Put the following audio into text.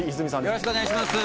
よろしくお願いします